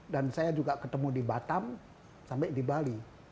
dan saya juga ketemu di batam sampai di bali